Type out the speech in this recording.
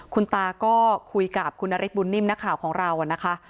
คุณตาก็คุยกับคุณนฤทธบุญนิ่มนักข่าวของเรานะคะ